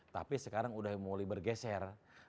tapi sekarang udah mulai bergeser